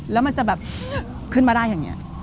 แล้วมันจะแบบขึ้นมาได้อย่างนี้